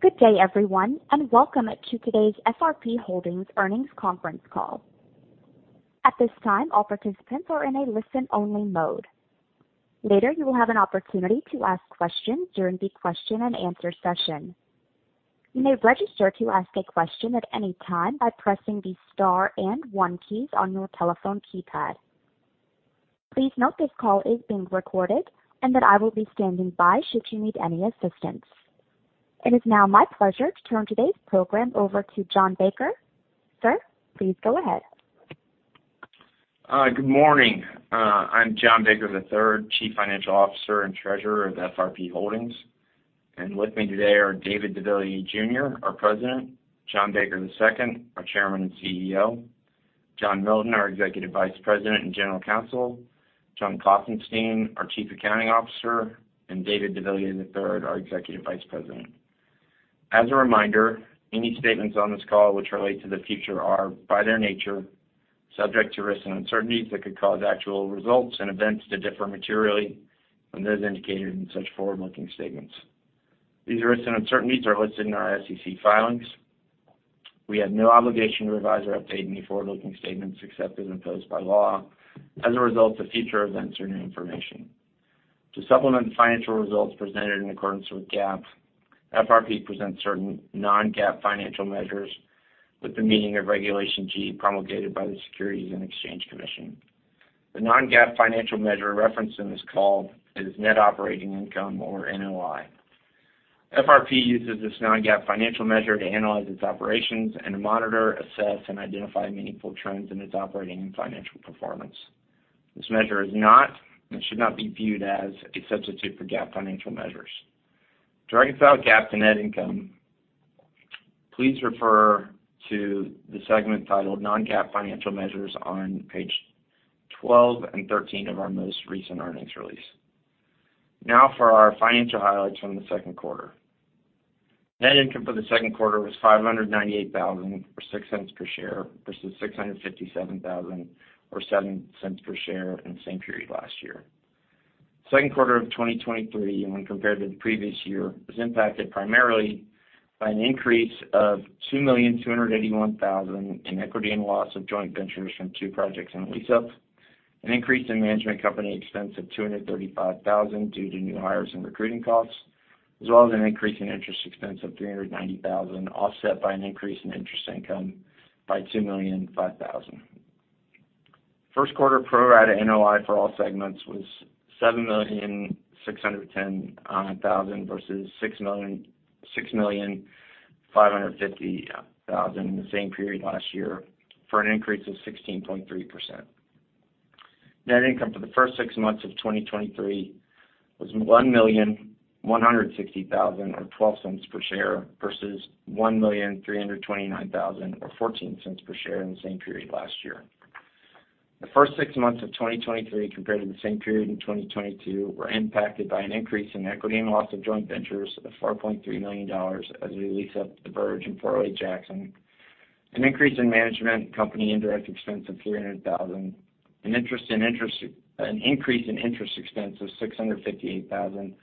Good day, everyone, and welcome to today's FRP Holdings Earnings Conference Call. At this time, all participants are in a listen-only mode. Later, you will have an opportunity to ask questions during the question-and-answer session. You may register to ask a question at any time by pressing the star and one keys on your telephone keypad. Please note this call is being recorded and that I will be standing by should you need any assistance. It is now my pleasure to turn today's program over to John Baker. Sir, please go ahead. Good morning. I'm John Baker III, Chief Financial Officer and Treasurer of FRP Holdings. With me today are David deVilliers Jr., our President, John Baker II, our Chairman and CEO, John Milton, our Executive Vice President and General Counsel, John Klopfenstein, our Chief Accounting Officer, and David deVilliers III, our Executive Vice President. As a reminder, any statements on this call which relate to the future are, by their nature, subject to risks and uncertainties that could cause actual results and events to differ materially from those indicated in such forward-looking statements. These risks and uncertainties are listed in our SEC filings. We have no obligation to revise or update any forward-looking statements, except as imposed by law, as a result of future events or new information. To supplement the financial results presented in accordance with GAAP, FRP presents certain Non-GAAP Financial Measures with the meaning of Regulation G, promulgated by the Securities and Exchange Commission. The Non-GAAP Financial Measure referenced in this call is Net Operating Income, or NOI. FRP uses this Non-GAAP Financial Measure to analyze its operations and to monitor, assess, and identify meaningful trends in its operating and financial performance. This measure is not and should not be viewed as a substitute for GAAP financial measures. To reconcile GAAP to net income, please refer to the segment titled Non-GAAP Financial Measures on page 12 and 13 of our most recent earnings release. Now for our financial highlights from the second quarter. Net income for the second quarter was $598,000, or $0.06 per share, versus $657,000, or $0.07 per share in the same period last year. Second quarter of 2023, when compared to the previous year, was impacted primarily by an increase of $2,281,000 in equity and loss of joint ventures from two projects in lease-up, an increase in management company expense of $235,000 due to new hires and recruiting costs, as well as an increase in interest expense of $390,000, offset by an increase in interest income by $2,005,000. First quarter pro forma NOI for all segments was $7,610,000, versus $6,550,000 in the same period last year, for an increase of 16.3%. Net income for the first six months of 2023 was $1,160,000 or $0.12 per share, versus $1,329,000 or $0.14 per share in the same period last year. The first six months of 2023 compared to the same period in 2022, were impacted by an increase in equity and loss of joint ventures of $4.3 million as we lease-up The Verge and .408 Jackson, an increase in management company indirect expense of $300,000, an increase in interest expense of $658,000,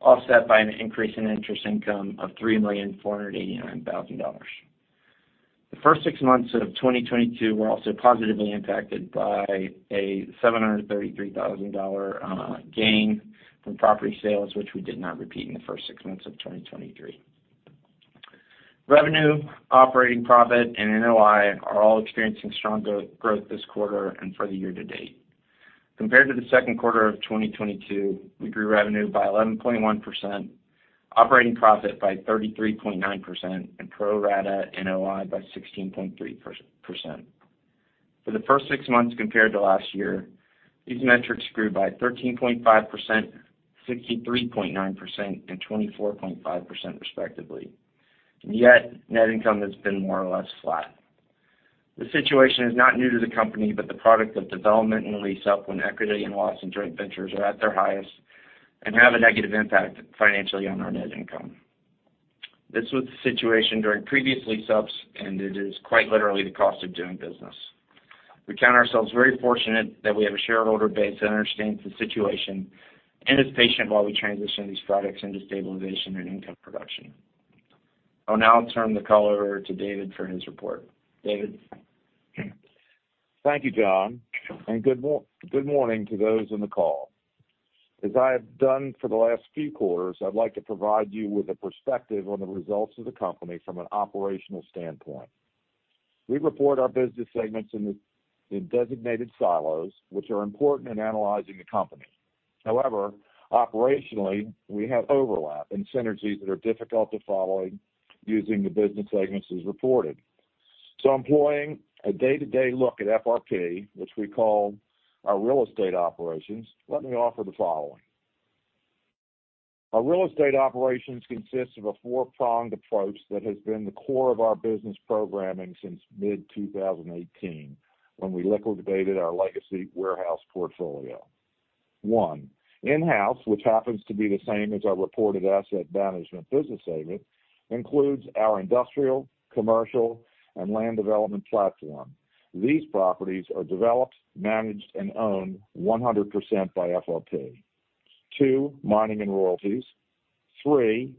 offset by an increase in interest income of $3,489,000. The first six months of 2022 were also positively impacted by a $733,000 gain from property sales, which we did not repeat in the first six months of 2023. Revenue, operating profit, and NOI are all experiencing strong growth, growth this quarter and for the year to date. Compared to the second quarter of 2022, we grew revenue by 11.1%, operating profit by 33.9%, and pro forma NOI by 16.3%. For the first 6 months compared to last year, these metrics grew by 13.5%, 63.9%, and 24.5%, respectively, and yet, net income has been more or less flat. The situation is not new to the company, but the product of development and lease-up when equity and loss and joint ventures are at their highest and have a negative impact financially on our net income. This was the situation during previous lease-ups, and it is quite literally the cost of doing business. We count ourselves very fortunate that we have a shareholder base that understands the situation and is patient while we transition these products into stabilization and income production. I'll now turn the call over to David for his report. David? Thank you, John, and good morning to those on the call. As I have done for the last few quarters, I'd like to provide you with a perspective on the results of the company from an operational standpoint. We report our business segments in designated silos, which are important in analyzing the company. However, operationally, we have overlap and synergies that are difficult to follow using the business segments as reported. Employing a day-to-day look at FRP, which we call our real estate operations, let me offer the following. Our real estate operations consists of a four-pronged approach that has been the core of our business programming since mid-2018, when we liquidated our legacy warehouse portfolio. One, in-house, which happens to be the same as our reported asset management business segment... includes our industrial, commercial, and land development platform. These properties are developed, managed, and owned 100% by FRP. 2, mining and royalties. 3,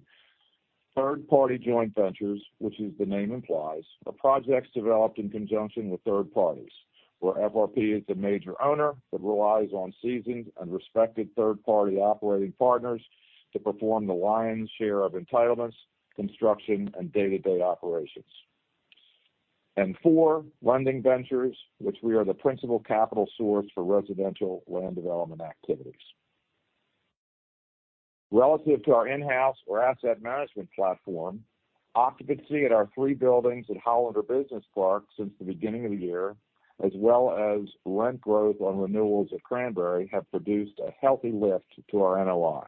third-party joint ventures, which as the name implies, are projects developed in conjunction with third parties, where FRP is a major owner, but relies on seasoned and respected third-party operating partners to perform the lion's share of entitlements, construction, and day-to-day operations. 4, lending ventures, which we are the principal capital source for residential land development activities. Relative to our in-house or asset management platform, occupancy at our three buildings at Hollander Business Park since the beginning of the year, as well as rent growth on renewals at Cranberry, have produced a healthy lift to our NOI.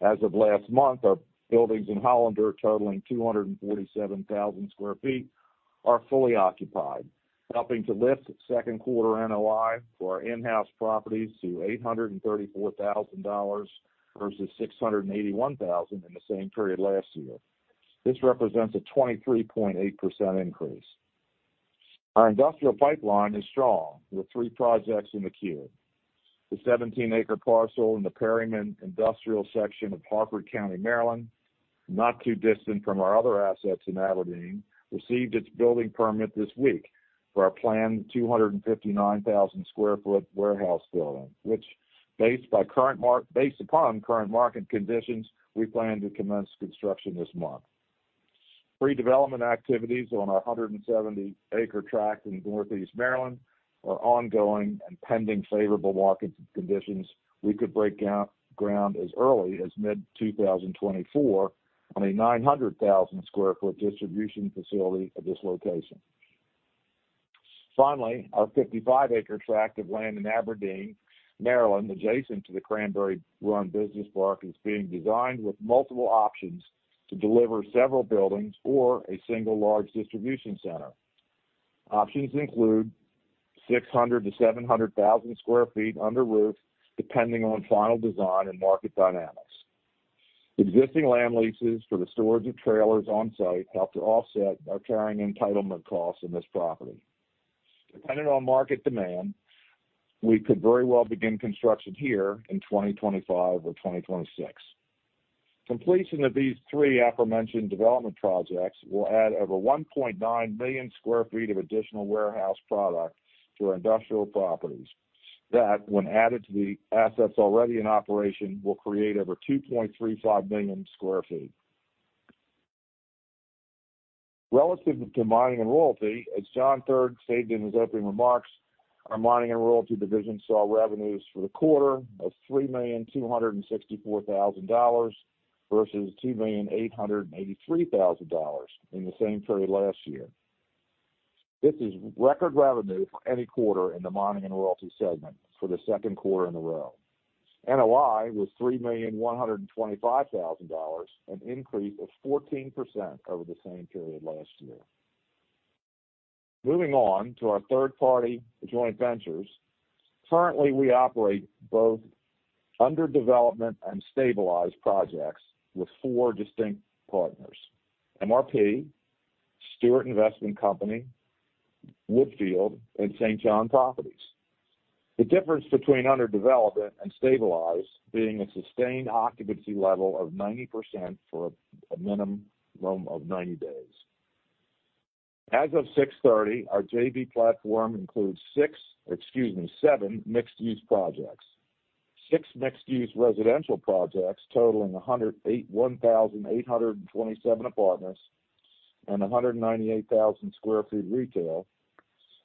As of last month, our buildings in Hollander, totaling 247,000 sq ft, are fully occupied, helping to lift second quarter NOI for our in-house properties to $834,000 versus $681,000 in the same period last year. This represents a 23.8% increase. Our industrial pipeline is strong, with three projects in the queue. The 17-acre parcel in the Perryman industrial section of Harford County, Maryland, not too distant from our other assets in Aberdeen, received its building permit this week for a planned 259,000 sq ft warehouse building, which based upon current market conditions, we plan to commence construction this month. Pre-development activities on our 170-acre tract in Northeast Maryland are ongoing and pending favorable market conditions, we could break out ground as early as mid-2024 on a 900,000 sq ft distribution facility at this location. Finally, our 55-acre tract of land in Aberdeen, Maryland, adjacent to the Cranberry Run Business Park, is being designed with multiple options to deliver several buildings or a single large distribution center. Options include 600,000-700,000 sq ft under roof, depending on final design and market dynamics. Existing land leases for the storage of trailers on-site help to offset our carrying entitlement costs on this property. Depending on market demand, we could very well begin construction here in 2025 or 2026. Completion of these three aforementioned development projects will add over 1.9 million sq ft of additional warehouse product to our industrial properties. That, when added to the assets already in operation, will create over 2.35 million sq ft. Relative to mining and royalty, as John III stated in his opening remarks, our mining and royalty division saw revenues for the quarter of $3,264,000 versus $2,883,000 in the same period last year. This is record revenue for any quarter in the mining and royalty segment for the second quarter in a row. NOI was $3,125,000, an increase of 14% over the same period last year. Moving on to our third-party joint ventures. Currently, we operate both under development and stabilized projects with four distinct partners: MRP, Steuart Investment Company, Woodfield, and St. John Properties. The difference between under development and stabilized being a sustained occupancy level of 90% for a minimum of 90 days. As of 6/30, our JV platform includes six, excuse me, seven mixed-use projects. Six mixed-use residential projects totaling 1,827 apartments and 198,000 sq ft retail,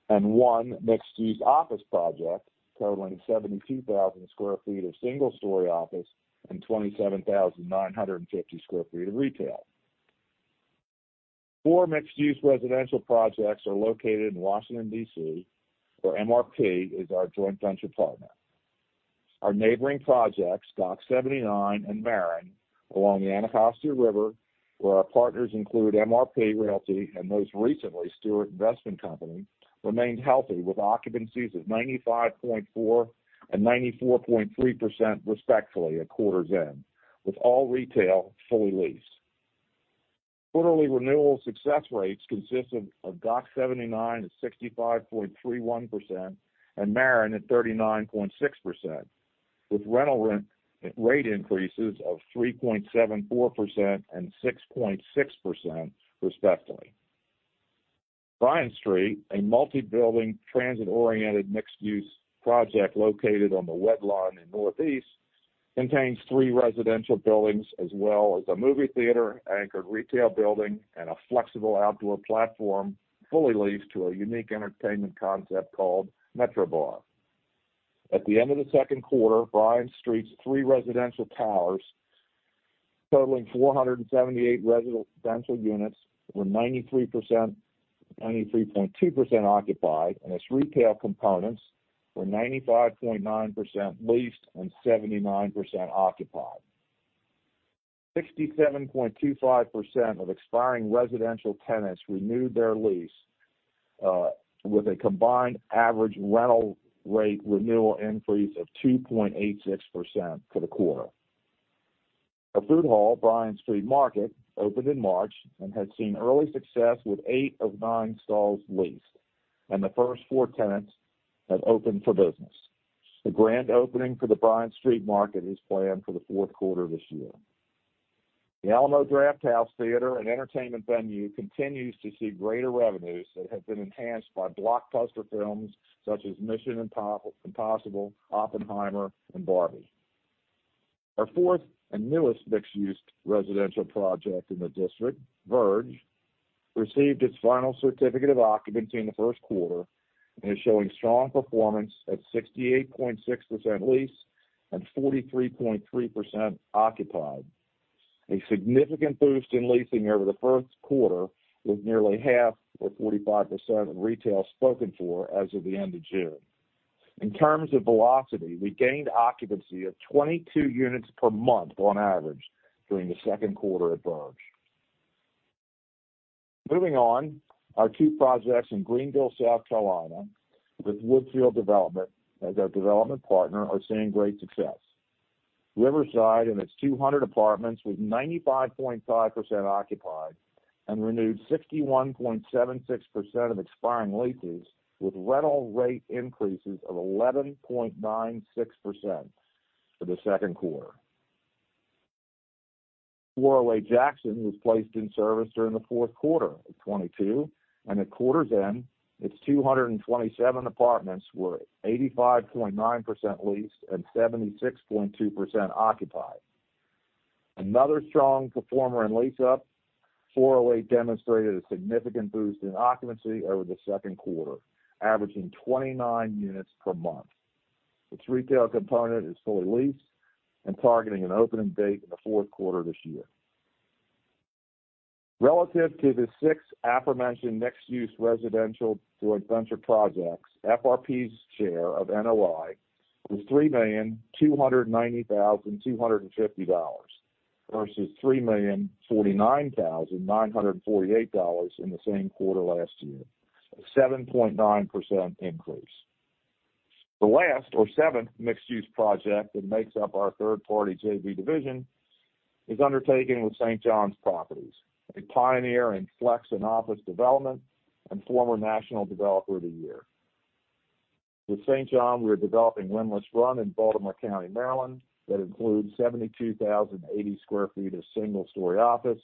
and one mixed-use office project totaling 72,000 sq ft of single-story office and 27,950 sq ft of retail. Four mixed-use residential projects are located in Washington, D.C., where MRP is our joint venture partner. Our neighboring projects, Dock 79 and The Maren, along the Anacostia River, where our partners include MRP Realty and most recently, Steuart Investment Company, remained healthy, with occupancies of 95.4% and 94.3%, respectfully, at quarter's end, with all retail fully leased. Quarterly renewal success rates consisted of Dock 79 at 65.31% and The Maren at 39.6%, with rental rate increases of 3.74% and 6.6%, respectively. Bryant Street, a multi-building, transit-oriented, mixed-use project located on the Rhode Island in Northeast, contains three residential buildings as well as a movie theater, anchored retail building, and a flexible outdoor platform, fully leased to a unique entertainment concept called Metrobar. At the end of the second quarter, Bryant Street's three residential towers, totaling 478 residential units, were 93%-- 93.2% occupied, and its retail components were 95.9% leased and 79% occupied. 67.25% of expiring residential tenants renewed their lease. with a combined average rental rate renewal increase of 2.86% for the quarter. Our food hall, Bryant Street Market, opened in March and has seen early success with eight of nine stalls leased, and the first four tenants have opened for business. The grand opening for the Bryant Street Market is planned for the fourth quarter this year. The Alamo Drafthouse Cinema and entertainment venue continues to see greater revenues that have been enhanced by blockbuster films such as Mission: Impossible, Oppenheimer, and Barbie. Our fourth and newest mixed-use residential project in D.C., Verge, received its final certificate of occupancy in the first quarter and is showing strong performance at 68.6% leased and 43.3% occupied. A significant boost in leasing over the first quarter, with nearly half or 45% of retail spoken for as of the end of June. In terms of velocity, we gained occupancy of 22 units per month on average during the second quarter at Verge. Moving on, our two projects in Greenville, South Carolina, with Woodfield Development as our development partner, are seeing great success. Riverside and its 200 apartments with 95.5% occupied and renewed 61.76% of its expiring leases, with rental rate increases of 11.96% for the second quarter. .408 Jackson was placed in service during the fourth quarter of 2022, and at quarter's end, its 227 apartments were 85.9% leased and 76.2% occupied. Another strong performer in lease-up, .408 demonstrated a significant boost in occupancy over the second quarter, averaging 29 units per month. Its retail component is fully leased and targeting an opening date in the fourth quarter this year. Relative to the six aforementioned mixed-use residential joint venture projects, FRP's share of NOI was $3,290,250, versus $3,049,948 in the same quarter last year, a 7.9% increase. The last or seventh mixed-use project that makes up our third-party JV division is undertaken with St. John Properties, a pioneer in flex and office development and former national developer of the year. With St. John, we are developing Windlass Run in Baltimore County, Maryland, that includes 72,080 sq ft of single-story office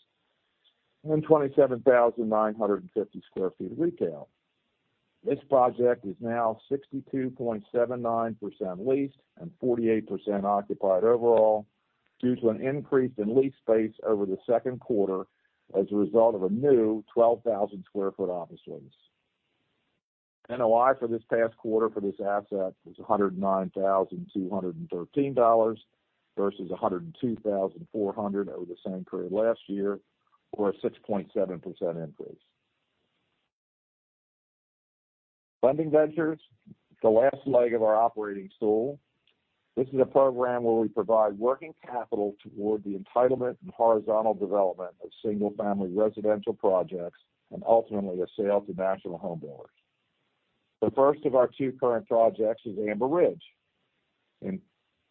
and 27,950 sq ft of retail. This project is now 62.79% leased and 48% occupied overall, due to an increase in leased space over the second quarter as a result of a new 12,000 sq ft office lease. NOI for this past quarter for this asset was $109,213, versus $102,400 over the same period last year, or a 6.7% increase. Lending ventures, the last leg of our operating stool. This is a program where we provide working capital toward the entitlement and horizontal development of single-family residential projects and ultimately, a sale to national homebuilders. The first of our two current projects is Amber Ridge in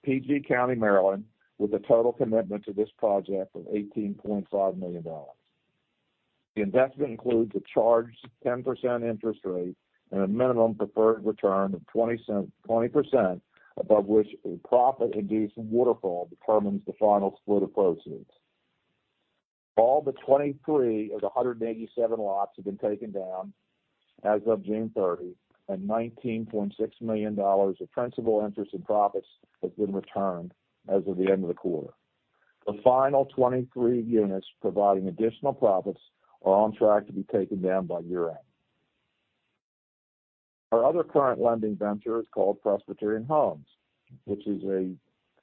PG County, Maryland, with a total commitment to this project of $18.5 million. The investment includes a charged 10% interest rate and a minimum preferred return of 20%, above which a profit-induced waterfall determines the final split of proceeds. All but 23 of the 187 lots have been taken down as of June 30, and $19.6 million of principal interest and profits have been returned as of the end of the quarter. The final 23 units, providing additional profits, are on track to be taken down by year-end. Our other current lending venture is called Presbyterian Homes, which is a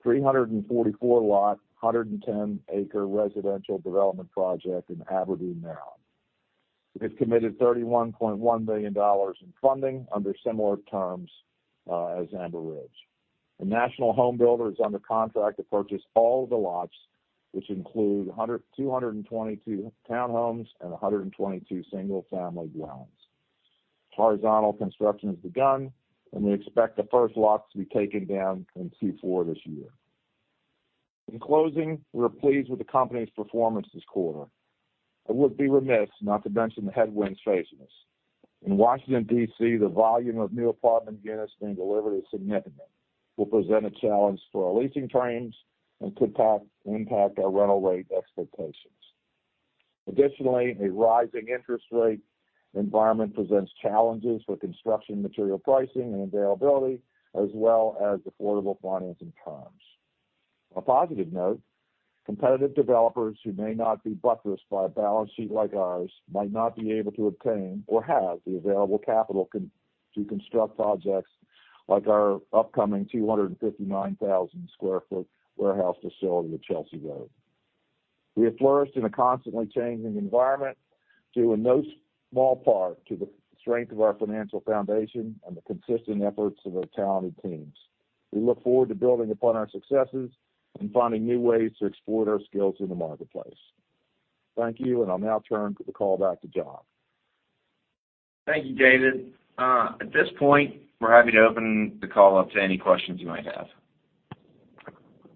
344 lot, 110 acre residential development project in Aberdeen, Maryland. We've committed $31.1 million in funding under similar terms as Amber Ridge. A national home builder is under contract to purchase all the lots, which include 222 townhomes and 122 single-family dwellings. Horizontal construction has begun. We expect the first lots to be taken down in Q4 this year. In closing, we're pleased with the company's performance this quarter. I would be remiss not to mention the headwinds facing us. In Washington, D.C., the volume of new apartment units being delivered is significant, will present a challenge for our leasing teams and could impact our rental rate expectations. Additionally, a rising interest rate environment presents challenges for construction material pricing and availability, as well as affordable financing terms. On a positive note, competitive developers who may not be buttressed by a balance sheet like ours might not be able to obtain or have the available capital to construct projects like our upcoming 259,000 sq ft warehouse facility at Chelsea Road. We have flourished in a constantly changing environment, due in no small part to the strength of our financial foundation and the consistent efforts of our talented teams. We look forward to building upon our successes and finding new ways to explore our skills in the marketplace. Thank you, and I'll now turn the call back to John. Thank you, David. At this point, we're happy to open the call up to any questions you might have.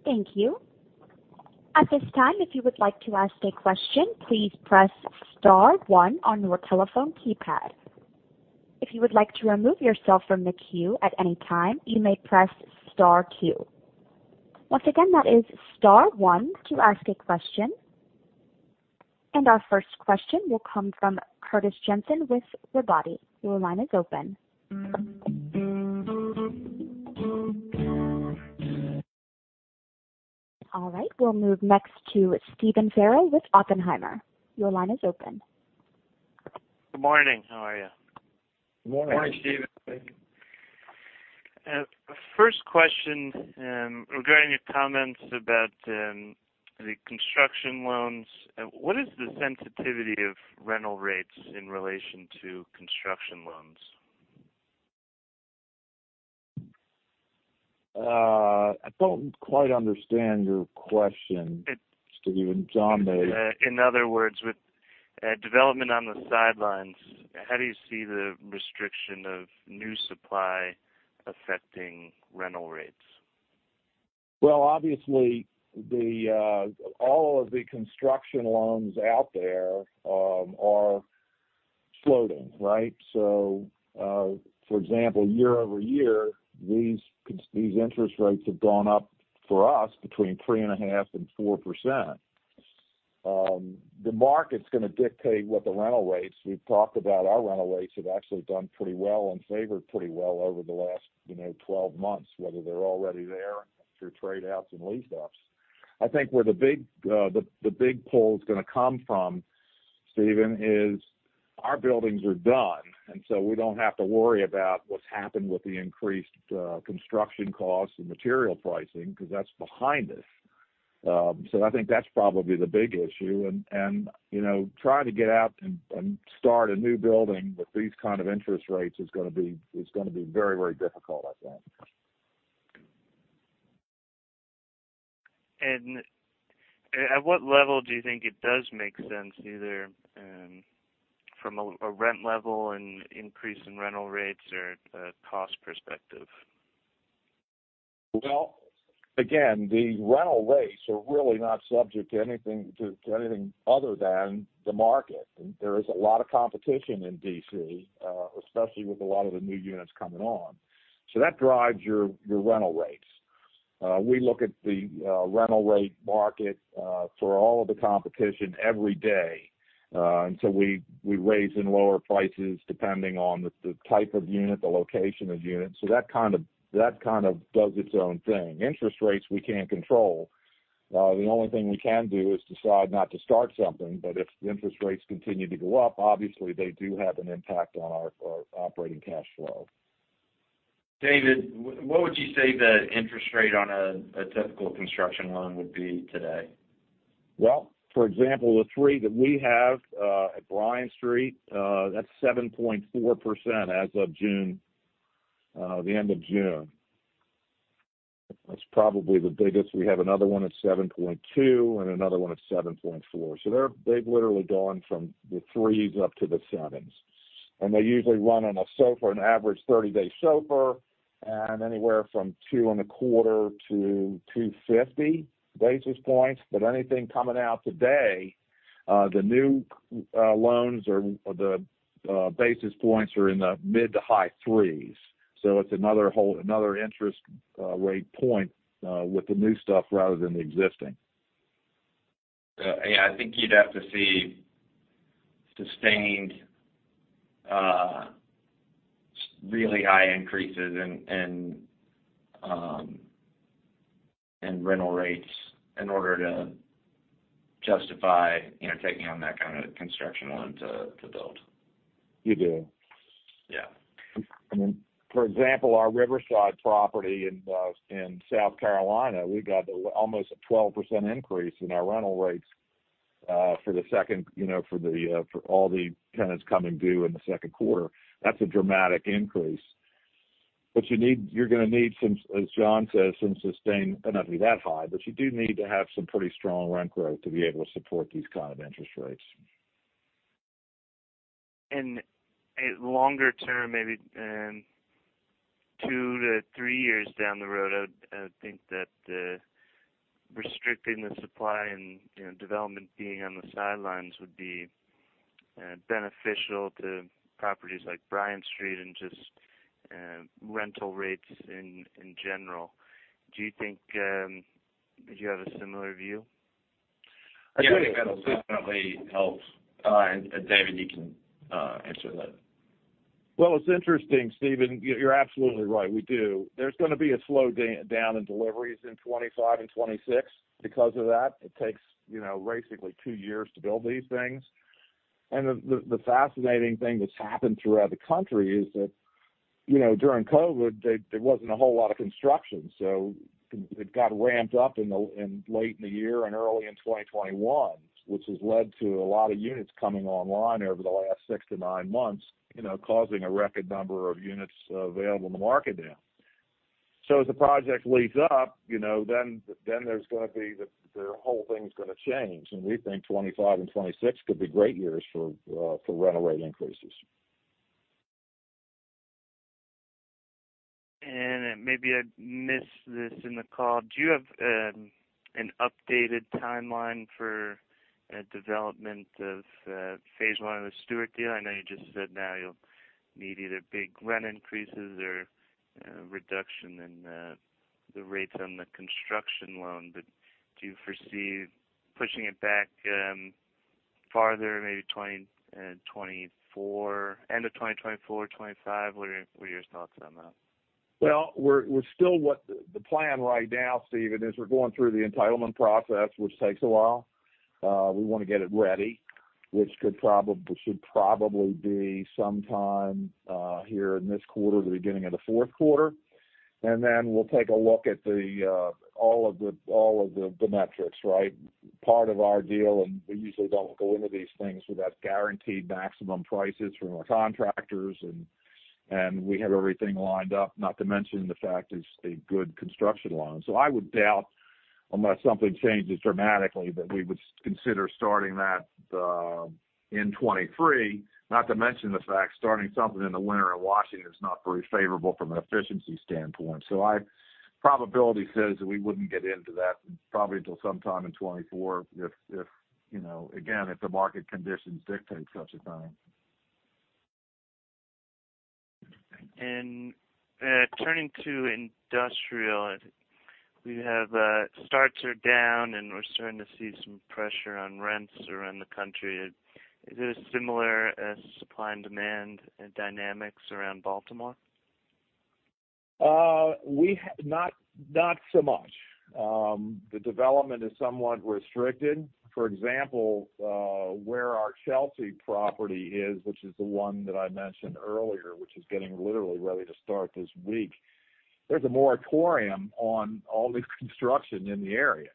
Thank you. At this time, if you would like to ask a question, please press star one on your telephone keypad. If you would like to remove yourself from the queue at any time, you may press star two. Once again, that is star one to ask a question. Our first question will come from Curtis Jensen with Robotti. Your line is open. All right, we'll move next to Stephen Farrell with Oppenheimer. Your line is open. Good morning. How are you? Good morning, Steven. Morning. First question, regarding your comments about, the construction loans. What is the sensitivity of rental rates in relation to construction loans? I don't quite understand your question, Stephen. John may- In other words, with development on the sidelines, how do you see the restriction of new supply affecting rental rates? Obviously, the all of the construction loans out there are floating, right? For example, year-over-year, these interest rates have gone up for us between 3.5%-4%. The market's gonna dictate what the rental rates. We've talked about our rental rates have actually done pretty well and favored pretty well over the last, you know, 12 months, whether they're already there through trade outs and lease-ups. I think where the big, the big pull is gonna come from, Stephen, is our buildings are done, and so we don't have to worry about what's happened with the increased construction costs and material pricing, because that's behind us. I think that's probably the big issue and, and, you know, trying to get out and, and start a new building with these kind of interest rates is gonna be, is gonna be very, very difficult, I think. At what level do you think it does make sense, either, from a rent level and increase in rental rates or a cost perspective? Well, again, the rental rates are really not subject to anything other than the market. There is a lot of competition in D.C., especially with a lot of the new units coming on. That drives your rental rates. We look at the rental rate market for all of the competition every day. We raise and lower prices depending on the type of unit, the location of unit. That kind of does its own thing. Interest rates, we can't control. The only thing we can do is decide not to start something, if the interest rates continue to go up, obviously, they do have an impact on our operating cash flow. David, what would you say the interest rate on a typical construction loan would be today? Well, for example, the three that we have at Bryant Street, that's 7.4% as of June, the end of June. That's probably the biggest. We have another one at 7.2% and another one at 7.4%. They've literally gone from the threes up to the sevens. They usually run on a SOFR, an average 30-day SOFR and anywhere from 2.25 to 250 basis points. Anything coming out today, the new loans or the basis points are in the mid to high threes. It's another whole, another interest rate point with the new stuff rather than the existing. Yeah, I think you'd have to see sustained, really high increases in, in, in rental rates in order to justify, you know, taking on that kind of construction loan to, to build. You do. Yeah. I mean, for example, our Riverside property in South Carolina, we got almost a 12% increase in our rental rates for the second, you know, for the for all the tenants coming due in the second quarter. That's a dramatic increase. You're gonna need some, as John says, some sustained, it não be that high, but you do need to have some pretty strong rent growth to be able to support these kind of interest rates. Longer term, maybe, two to three years down the road, I'd, I'd think that, restricting the supply and, you know, development being on the sidelines would be beneficial to properties like Bryant Street and just rental rates in, in general. Do you think, do you have a similar view? I think- Yeah, I think that definitely helps. David, you can answer that. Well, it's interesting, Stephen, you're, you're absolutely right, we do. There's gonna be a slow down in deliveries in 2025 and 2026 because of that. It takes, you know, basically two years to build these things. The fascinating thing that's happened throughout the country is that, you know, during COVID, there, there wasn't a whole lot of construction, so it got ramped up in the, in late in the year and early in 2021, which has led to a lot of units coming online over the last six to nine months, you know, causing a record number of units available in the market now. As the project lease-up, you know, then, then there's gonna be the, the whole thing's gonna change, and we think 2025 and 2026 could be great years for rental rate increases. Maybe I missed this in the call. Do you have an updated timeline for development of phase one of the Steuart deal? I know you just said now you'll need either big rent increases or reduction in the rates on the construction loan, do you foresee pushing it back farther, maybe 2024, end of 2024 or 2025? What are, what are your thoughts on that? Well, we're, we're still the plan right now, Steven, is we're going through the entitlement process, which takes a while. We wanna get it ready, which could probably, should probably be sometime here in this quarter to the beginning of the fourth quarter. Then we'll take a look at the all of the, all of the, the metrics, right? Part of our deal, and we usually don't go into these things without guaranteed maximum prices from our contractors and, and we have everything lined up, not to mention the fact it's a good construction loan. I would doubt, unless something changes dramatically, that we would consider starting that in 2023. Not to mention the fact, starting something in the winter in Washington is not very favorable from an efficiency standpoint. probability says that we wouldn't get into that probably until sometime in 2024, if, you know, again, if the market conditions dictate such a time. Turning to industrial, we have, starts are down, and we're starting to see some pressure on rents around the country. Is it as similar as supply and demand dynamics around Baltimore? We have... Not, not so much. The development is somewhat restricted. For example, where our Chelsea property is, which is the one that I mentioned earlier, which is getting literally ready to start this week, there's a moratorium on all the construction in the area.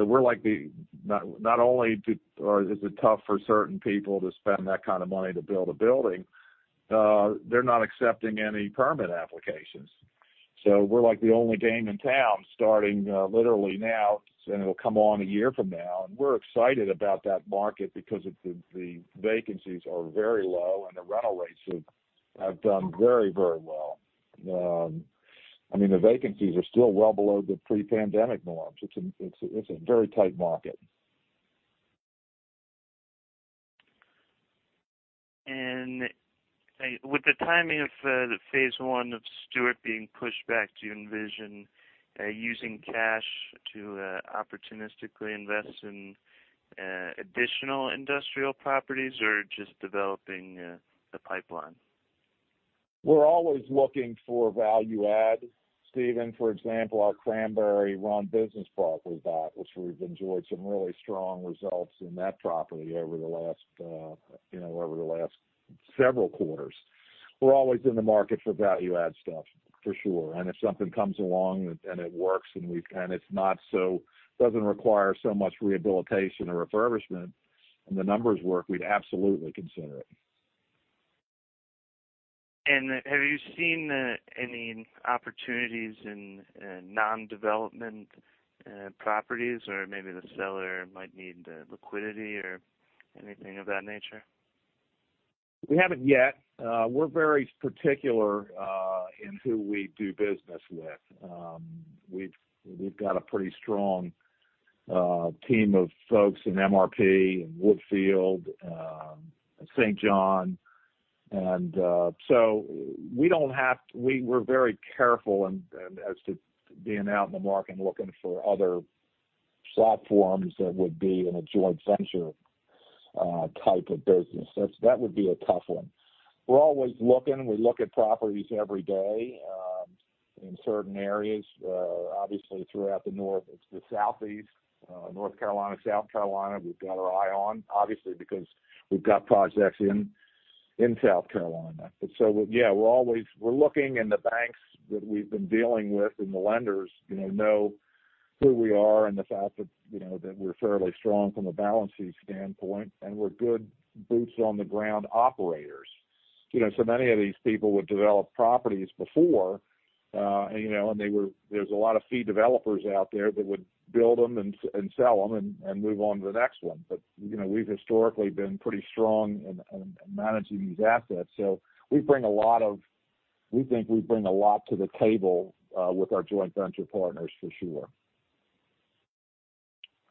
We're like the, not, not only do, or is it tough for certain people to spend that kind of money to build a building, they're not accepting any permit applications. We're like the only game in town, starting, literally now, and it will come on one year from now, and we're excited about that market because of the, the vacancies are very low and the rental rates have, have done very, very well. I mean, the vacancies are still well below the pre-pandemic norms. It's a, it's a, it's a very tight market. With the timing of the phase one of Steuart being pushed back, do you envision using cash to opportunistically invest in additional industrial properties or just developing the pipeline? We're always looking for value-add, Stephen. For example, our Cranberry Run Business Park we bought, which we've enjoyed some really strong results in that property over the last, you know, over the last several quarters. We're always in the market for value-add stuff, for sure. If something comes along and, and it works and it's not so, doesn't require so much rehabilitation or refurbishment, and the numbers work, we'd absolutely consider it. Have you seen any opportunities in non-development properties, or maybe the seller might need liquidity or anything of that nature? We haven't yet. We're very particular in who we do business with. We've got a pretty strong team of folks in MRP and Woodfield, St. John. We're very careful in as to being out in the market and looking for other platforms that would be in a joint venture type of business. That's, that would be a tough one. We're always looking. We look at properties every day in certain areas, obviously throughout the North, the Southeast, North Carolina, South Carolina, we've got our eye on, obviously, because we've got projects in South Carolina. Yeah, we're always looking in the banks that we've been dealing with, and the lenders, you know, know who we are and the fact that, you know, that we're fairly strong from a balancing standpoint, and we're good boots on the ground operators. You know, so many of these people would develop properties before, and, you know, there's a lot of fee developers out there that would build them and, and sell them and, and move on to the next one. You know, we've historically been pretty strong in, in managing these assets, so we bring a lot of, we think we bring a lot to the table with our joint venture partners for sure.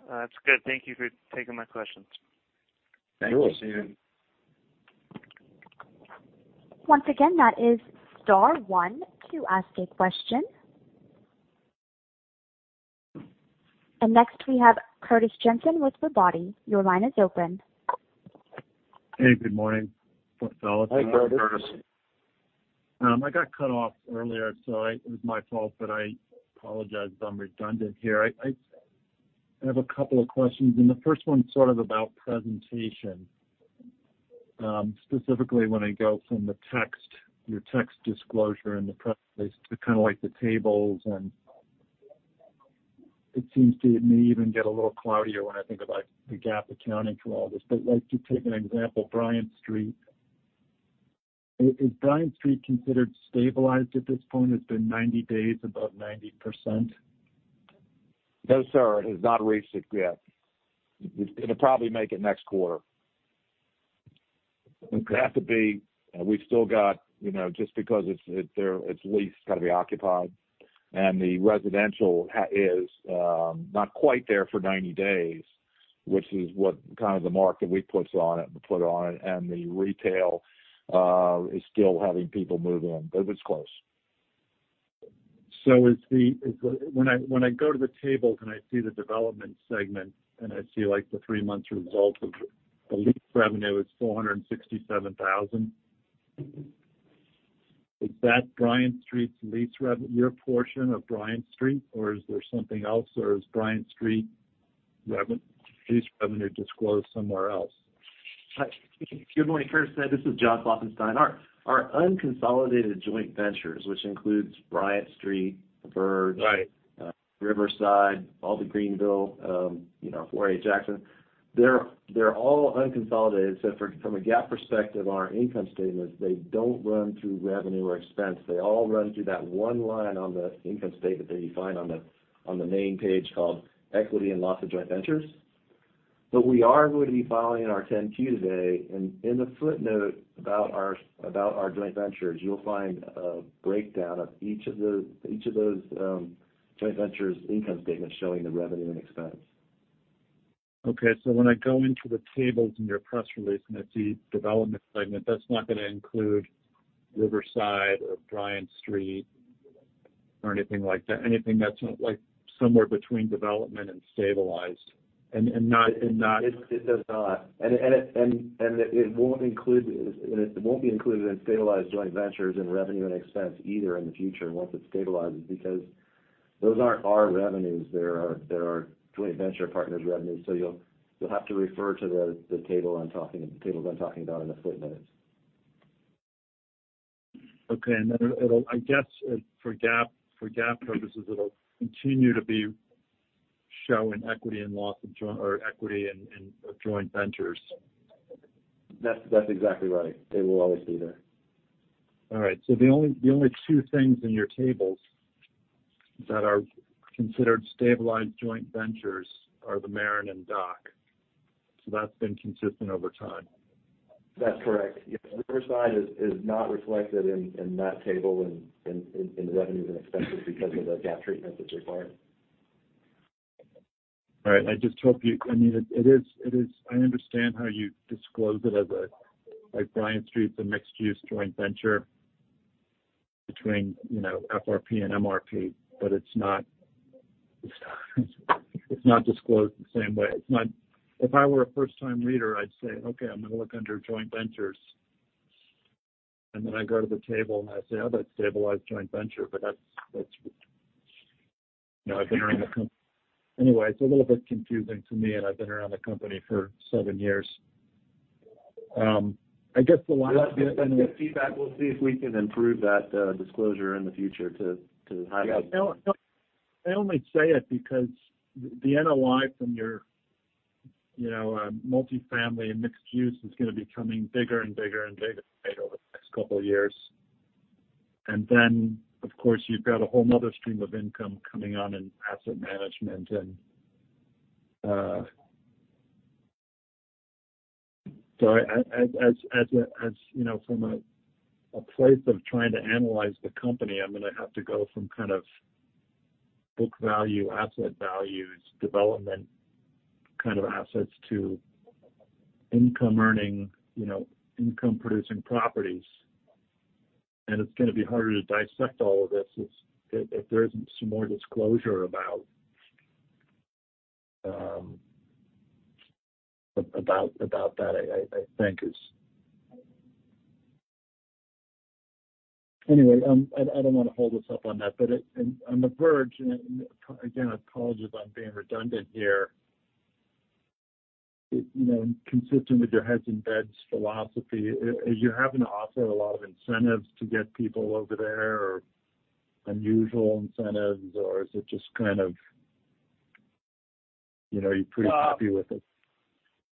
That's good. Thank you for taking my questions. Thank you, Steven. Once again, that is star one to ask a question. Next, we have Curtis Jensen with Robotti. Your line is open. Hey, good morning, fellas. Hi, Curtis. I got cut off earlier, so I-- it was my fault, but I apologize if I'm redundant here. I, I have a couple of questions, and the first one's sort of about presentation. Specifically when I go from the text, your text disclosure in the press release to kinda like the tables and-... It seems to me it may even get a little cloudier when I think about the GAAP accounting for all this. Like, to take an example, Bryant Street. Is, is Bryant Street considered stabilized at this point? It's been 90 days above 90%. No, sir, it has not reached it yet. It'll probably make it next quarter. It would have to be... We've still got, you know, just because it's leased, it's got to be occupied, and the residential is not quite there for 90 days, which is what kind of the mark that we puts on it, put on it, and the retail is still having people move in, but it's close. When I go to the tables, and I see the development segment, and I see, like, the three-month result of the lease revenue is $467,000. Is that Bryant Street's lease revenue, your portion of Bryant Street, or is there something else, or is Bryant Street revenue, lease revenue disclosed somewhere else? Hi. Good morning, Curtis. This is John Klopfenstein. Our, our unconsolidated joint ventures, which includes Bryant Street, The Verge- Right. Riverside, all the Greenville, you know, .408 Jackson, they're all unconsolidated. From a GAAP perspective on our income statement, they don't run through revenue or expense. They all run through that one line on the income statement that you find on the main page called equity and loss of joint ventures. We are going to be filing our 10-Q today, and in the footnote about our joint ventures, you'll find a breakdown of each of those, each of those joint ventures income statement showing the revenue and expense. Okay, when I go into the tables in your press release and I see development segment, that's not gonna include Riverside or Bryant Street or anything like that, anything that's, like, somewhere between development and stabilized and, and not, and not... It, it does not. It won't include, and it won't be included in stabilized joint ventures in revenue and expense either in the future once it stabilizes because those aren't our revenues, they're our, they're our joint venture partners' revenues. You'll have to refer to the table I'm talking about in the footnotes. Okay, I guess for GAAP, for GAAP purposes, it'll continue to be showing equity and loss of joint or equity in, in joint ventures. That's, that's exactly right. They will always be there. All right. The only, the only two things in your tables that are considered stabilized joint ventures are The Maren and Dock. That's been consistent over time. That's correct. Yes, Riverside is, is not reflected in, in that table, in, in, in the revenues and expenses because of the GAAP treatment that's required. All right. I just hope you... I mean, I understand how you disclose it as a, like Bryant Street's, a mixed-use joint venture between, you know, FRP and MRP, but it's not, it's not disclosed the same way. It's not if I were a first-time reader, I'd say, "Okay, I'm gonna look under joint ventures." Then I go to the table, and I say, "Oh, that's stabilized joint venture," but that's... You know, I've been around the anyway, it's a little bit confusing to me, and I've been around the company for seven years. I guess the last- Well, that's good feedback. We'll see if we can improve that disclosure in the future to, to highlight. Yeah, I only say it because the NOI from your, you know, multifamily and mixed use is gonna be becoming bigger and bigger and bigger over the next couple of years. Then, of course, you've got a whole another stream of income coming on in asset management and. As, as, as a, as, you know, from a, a place of trying to analyze the company, I'm gonna have to go from kind of book value, asset values, development kind of assets to income earning, you know, income-producing properties. It's gonna be harder to dissect all of this if, if there isn't some more disclosure about, about that. I, I, I think is. Anyway, I don't want to hold us up on that, but it, and on The Verge, and again, I apologize if I'm being redundant here. You know, consistent with your heads and beds philosophy, are you having to offer a lot of incentives to get people over there or unusual incentives, or is it just kind of, you know, you're pretty happy with it?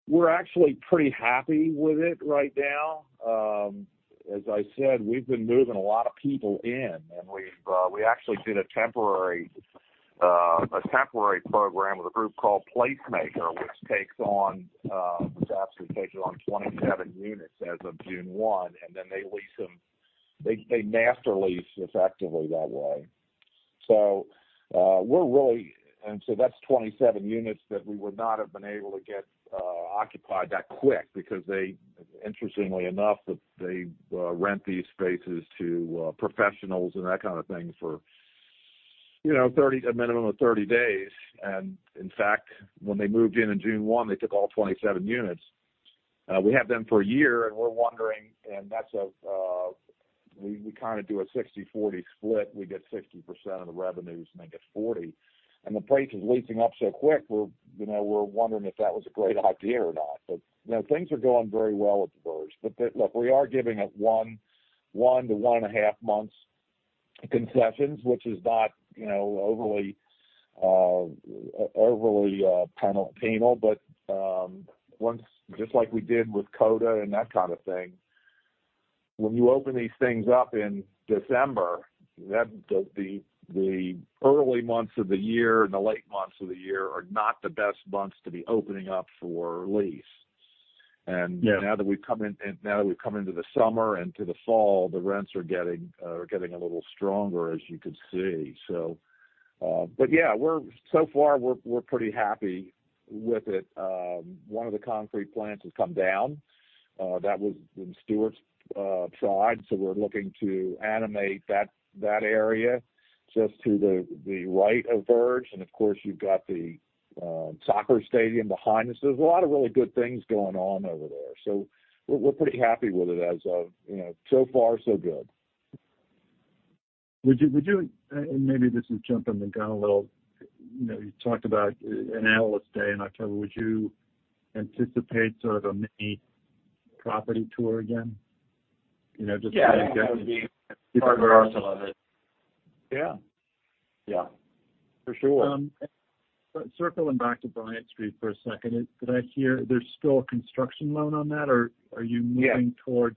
We're actually pretty happy with it right now. As I said, we've been moving a lot of people in, and we've, we actually did a temporary, a temporary program with a group called Placemakr, which takes on, which actually takes on 27 units as of June 1, and then they lease them. They, they master lease effectively that way. That's 27 units that we would not have been able to get occupied that quick because they, interestingly enough, that they, rent these spaces to professionals and that kind of thing for, you know, 30, a minimum of 30 days. In fact, when they moved in on June 1, they took all 27 units. We have them for one year, and we're wondering, and that's of, we, we kind of do a 60/40 split. We get 60% of the revenues. They get 40%. The place is leasing up so quick, we're, you know, we're wondering if that was a great idea or not. You know, things are going very well at The Verge, but look, we are giving up one to 1.5 months concessions, which is not, you know, overly, overly penal. Once, just like we did with Coda and that kind of thing, when you open these things up in December, that the, the early months of the year and the late months of the year are not the best months to be opening up for lease. Yeah. Now that we've come in, and now that we've come into the summer and to the fall, the rents are getting, are getting a little stronger, as you can see. But yeah, we're so far, we're, we're pretty happy with it. One of the concrete plants has come down, that was in Steuart's side, so we're looking to animate that, that area just to the, the right of Verge. Of course, you've got the soccer stadium behind us. There's a lot of really good things going on over there, so we're, we're pretty happy with it as of, you know, so far, so good. Would you, would you, and, and maybe this is jumping the gun a little, you know, you talked about an Analyst Day in October. Would you anticipate sort of a mini property tour again? You know, just. Yeah, I think that would be. Partner also love it. Yeah. Yeah, for sure. circling back to Bryant Street for a second, did I hear there's still a construction loan on that, or are you... Yeah moving toward,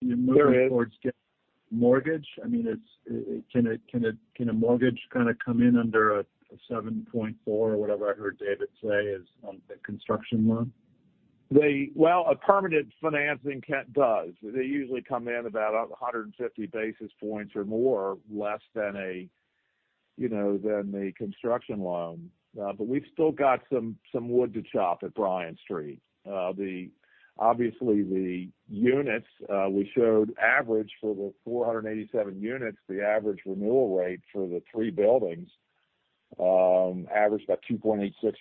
you're moving- There is... towards getting a mortgage? I mean, it's, can a, can a, can a mortgage kinda come in under a 7.4%, or whatever I heard David say is on the construction loan? Well, a permanent financing cat does. They usually come in about 150 basis points or more less than a, you know, than a construction loan. But we've still got some, some wood to chop at Bryant Street. obviously, the units, we showed average for the 487 units, the average renewal rate for the three buildings, averaged about 2.86%.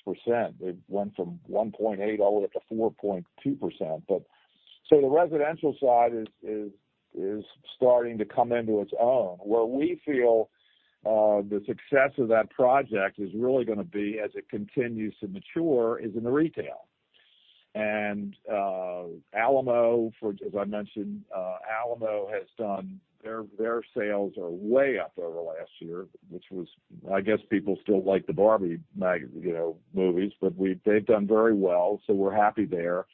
It went from 1.8% all the way up to 4.2%. So the residential side is, is, is starting to come into its own. Where we feel, the success of that project is really gonna be as it continues to mature, is in the retail. Alamo, for, as I mentioned, Alamo has done, their, their sales are way up over last year, which was, I guess, people still like the Barbie, you know, movies, they've done very well, so we're happy there.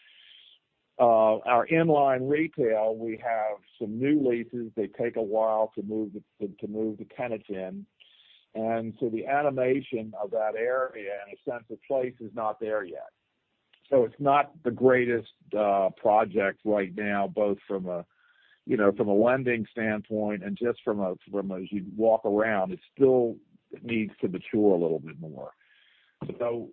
Our inline retail, we have some new leases. They take a while to move the, to, to move the tenants in. The animation of that area and a sense of place is not there yet. It's not the greatest project right now, both from a, you know, from a lending standpoint and just from a, from as you walk around, it's still needs to mature a little bit more.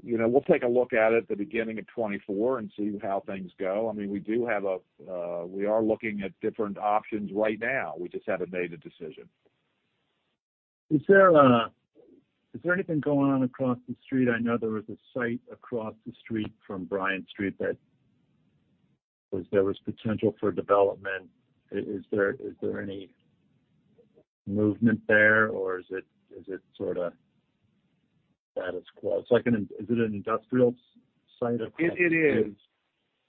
You know, we'll take a look at it at the beginning of 2024 and see how things go. I mean, we do have a, we are looking at different options right now. We just haven't made a decision. Is there, is there anything going on across the street? I know there was a site across the street from Bryant Street that, there was potential for development. Is, is there, is there any movement there, or is it, is it sorta status quo? It's like is it an industrial site or- It, it is.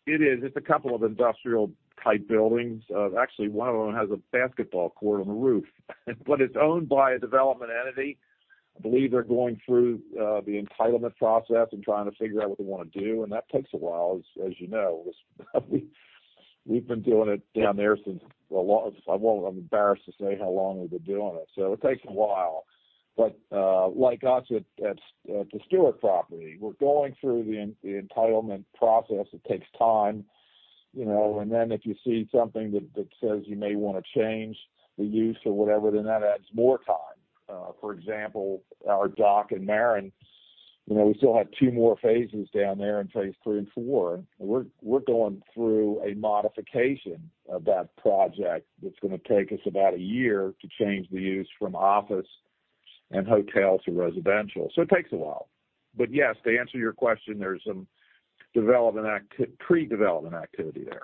It is. It's a couple of industrial-type buildings. actually, one of them has a basketball court on the roof. It's owned by a development entity. I believe they're going through the entitlement process and trying to figure out what they wanna do, and that takes a while, as you know. We've been doing it down there since a long... I'm embarrassed to say how long we've been doing it, so it takes a while. Like us at the Steuart property, we're going through the entitlement process. It takes time, you know, and then if you see something that says you may wanna change the use or whatever, then that adds more time. For example, our dock in The Maren, you know, we still have two more phases down there in phase three and four. We're going through a modification of that project that's gonna take us about a year to change the use from office and hotel to residential. It takes a while. Yes, to answer your question, there's some development pre-development activity there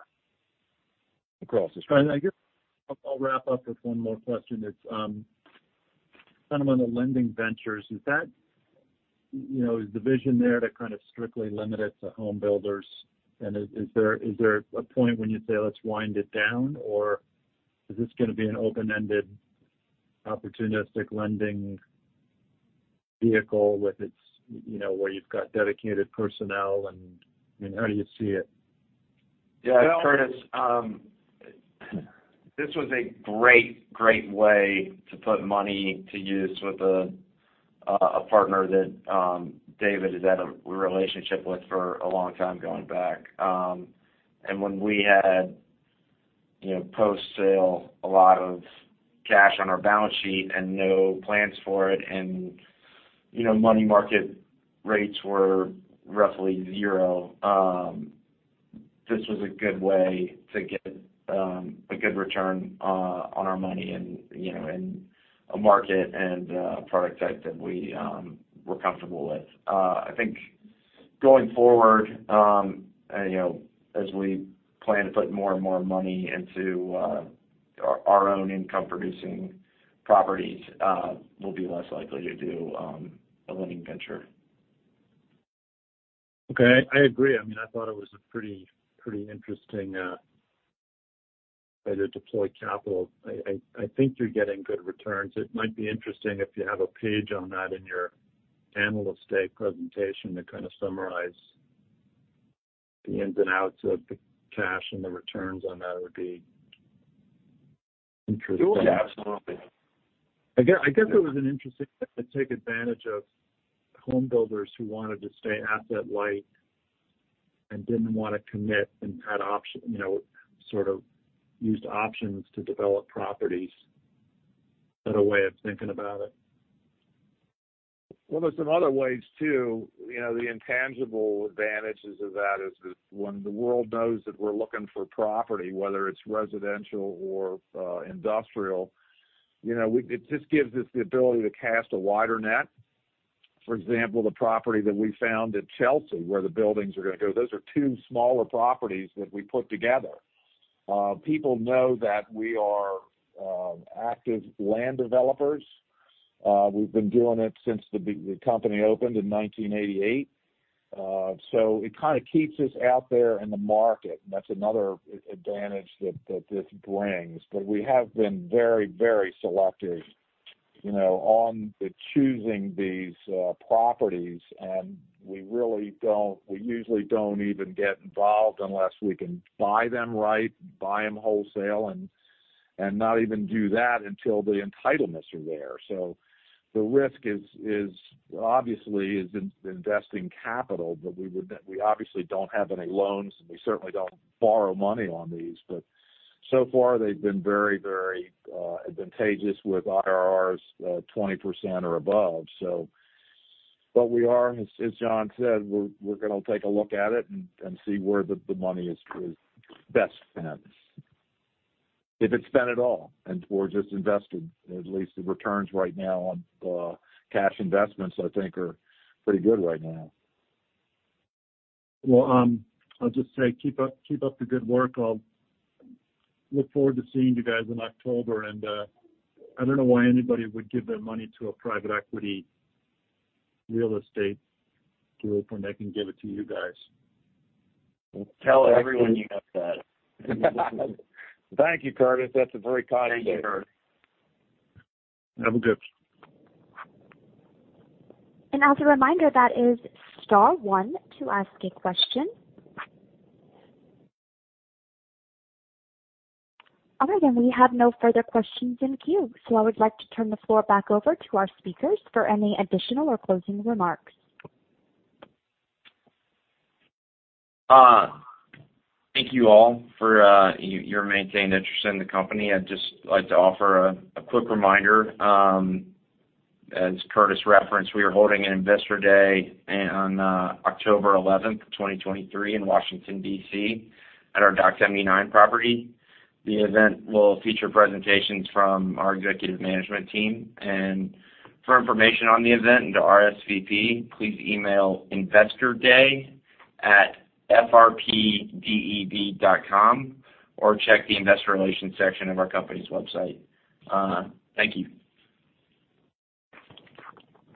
across the street. I guess I'll, I'll wrap up with one more question. It's, kind of on the lending ventures. Is that, you know, is the vision there to kind of strictly limit it to home builders? Is, is there, is there a point when you say, let's wind it down, or is this gonna be an open-ended, opportunistic lending vehicle with its, you know, where you've got dedicated personnel and, I mean, how do you see it? Yeah, Curtis. Well-... this was a great, great way to put money to use with a partner that David has had a relationship with for a long time going back. When we had, you know, post-sale, a lot of cash on our balance sheet and no plans for it, and, you know, money market rates were roughly zero, this was a good way to get a good return on our money and, you know, in a market and a product type that we, we're comfortable with. I think going forward, you know, as we plan to put more and more money into our, our own income-producing properties, we'll be less likely to do a lending venture. Okay, I, I agree. I mean, I thought it was a pretty, pretty interesting way to deploy capital. I, I, I think you're getting good returns. It might be interesting if you have a page on that in your annual state presentation to kinda summarize the ins and outs of the cash and the returns on that would be interesting. Sure. Absolutely. Again, I guess it was an interesting to take advantage of homebuilders who wanted to stay asset-light and didn't wanna commit and had option, you know, sort of used options to develop properties. Another way of thinking about it. Well, there's some other ways too. You know, the intangible advantages of that is, is when the world knows that we're looking for property, whether it's residential or industrial, you know, it just gives us the ability to cast a wider net. For example, the property that we found at Chelsea, where the buildings are gonna go, those are two smaller properties that we put together. People know that we are active land developers. We've been doing it since the company opened in 1988. It kinda keeps us out there in the market, and that's another advantage that, that this brings. We have been very, very selective, you know, on the choosing these properties. We really don't, we usually don't even get involved unless we can buy them right, buy them wholesale, and, and not even do that until the entitlements are there. The risk is, is obviously, is in investing capital, but we would we obviously don't have any loans, and we certainly don't borrow money on these. So far, they've been very, very advantageous with IRRs, 20% or above. We are, as, as John said, we're, we're gonna take a look at it and, and see where the, the money is, is best spent. If it's spent at all, and, or just invested, at least the returns right now on, cash investments, I think, are pretty good right now. Well, I'll just say keep up, keep up the good work. I'll look forward to seeing you guys in October. I don't know why anybody would give their money to a private equity real estate group, and they can give it to you guys. Tell everyone you have that. Thank you, Curtis. That's a very kind word. Have a good. As a reminder, that is star one to ask a question. All right, we have no further questions in the queue. I would like to turn the floor back over to our speakers for any additional or closing remarks. Thank you all for your maintained interest in the company. I'd just like to offer a quick reminder. As Curtis referenced, we are holding an Investor Day on October 11, 2023, in Washington, D.C., at our Dock 79 property. The event will feature presentations from our executive management team. For information on the event and to RSVP, please email investorday@frpdev.com or check the investor relations section of our company's website. Thank you.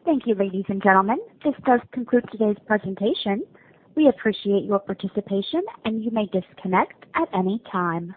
Thank you, ladies and gentlemen. This does conclude today's presentation. We appreciate your participation. You may disconnect at any time.